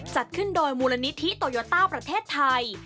จัดขึ้นโดยมูลนิธิโตโยต้าประเทศไทย